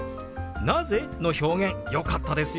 「なぜ？」の表現よかったですよ！